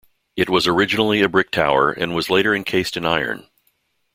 It was originally a brick tower and was later encased in iron.